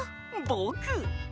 ぼく！